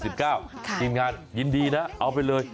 ทีมงานยินดีนะเอาไปเลย